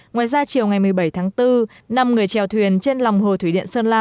ngoài ra chiều ngày một mươi bảy tháng bốn năm người trèo thuyền trên lòng hồ thủy điện sơn la